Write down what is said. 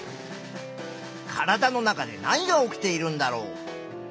体の中で何が起きているんだろう。